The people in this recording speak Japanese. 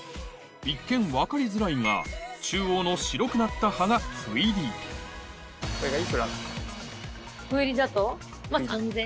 一見分かりづらいが中央の白くなった葉が斑入り斑入りだと？